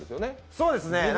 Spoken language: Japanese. そうですね。